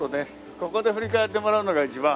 ここで振り返ってもらうのが一番。